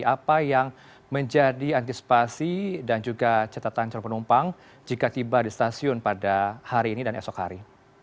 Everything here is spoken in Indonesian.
apa yang menjadi antisipasi dan juga catatan calon penumpang jika tiba di stasiun pada hari ini dan esok hari